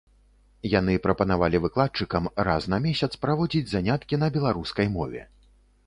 Яны прапанавалі выкладчыкам раз на месяц праводзіць заняткі на беларускай мове.